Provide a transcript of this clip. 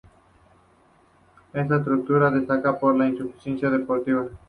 Esta estructura destacaba por su infraestructura deportiva.